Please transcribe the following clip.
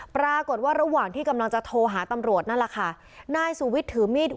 ปรากฏว่าระหว่างที่กำลังจะโทรหาตำรวจนั่นแหละค่ะนายสุวิทย์ถือมีด